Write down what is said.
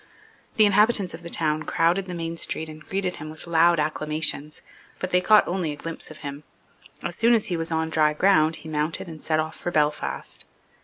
The inhabitants of the town crowded the main street and greeted him with loud acclamations: but they caught only a glimpse of him. As soon as he was on dry ground he mounted and set off for Belfast.